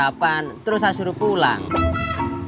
yang pemwarna lo tuh masih sama disana ya